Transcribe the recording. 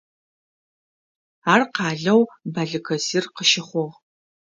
Ар къалэу Балыкэсир къыщыхъугъ.